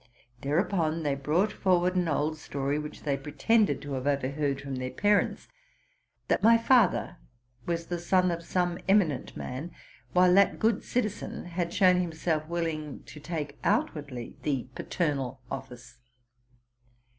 Thereupon they brought forward an old story, which they pretended to haye overheard from their parents, that my father was the son of some eminent man, while that good citizen had shown himself willing to take outwardly the paternal office.